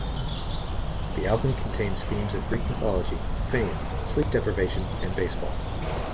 The album contains themes of Greek Mythology, fame, sleep deprivation and baseball.